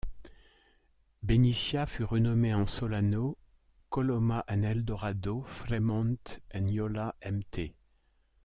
Benicia fut renommé en Solano, Coloma en El Dorado, Fremont en Yola, Mt.